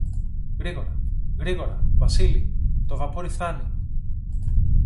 Γρήγορα, γρήγορα, Βασίλη, το βαπόρι φθάνει!